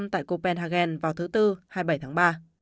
tại copenhagen vào thứ tư hai mươi bảy tháng ba